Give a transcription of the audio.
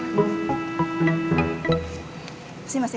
makasih mas ya